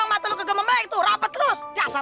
buaca masang peretasan